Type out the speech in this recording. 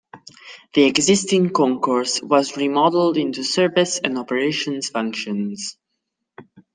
The existing concourse was remodeled into service and operations functions.